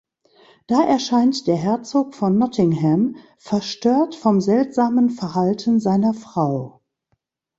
Da erscheint der Herzog von Nottingham, verstört vom seltsamen Verhalten seiner Frau.